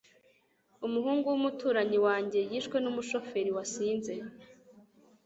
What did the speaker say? Umuhungu wumuturanyi wanjye yishwe numushoferi wasinze.